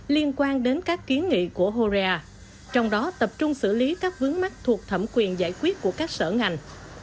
liên quan đến các kiến nghị của horea trong đó tập trung xử lý các vướng mắt thuộc thẩm quyền giải quyết của các sở ngành